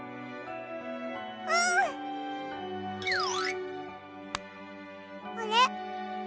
うん！あれ？